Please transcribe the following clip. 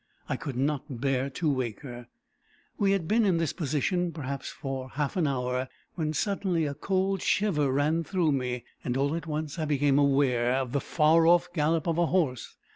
I could not bear to wake her. We had been in this position perhaps for half an hour, when suddenly a cold shiver ran through me, and all at once I became aware of the far off gallop of a horse.